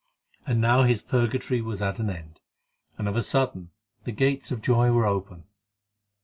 And now his purgatory was at an end, and of a sudden the gates of joy were open.